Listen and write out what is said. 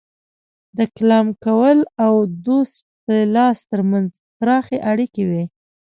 د کلاکمول او دوس پیلاس ترمنځ پراخې اړیکې وې